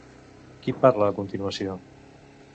Qui parla a continuació?